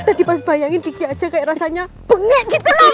tadi pas bayangin diki aja kayak rasanya bengek gitu